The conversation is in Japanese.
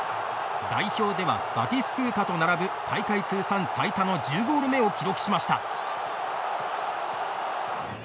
代表ではバティストゥータと並ぶ大会通算最多の１０ゴール目を記録しました。